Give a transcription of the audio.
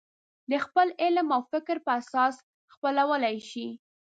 د خپل علم او فکر په اساس خپلولی شي.